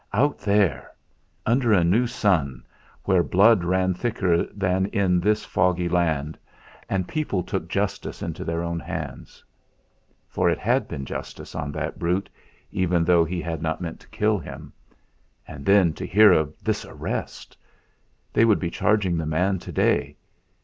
Out there! Under a new sun, where blood ran quicker than in this foggy land, and people took justice into their own hands. For it had been justice on that brute even though he had not meant to kill him. And then to hear of this arrest! They would be charging the man to day.